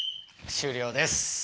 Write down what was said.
終了です。